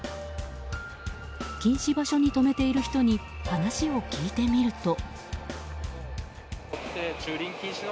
禁止場所に止めている人に話を聞いてみると。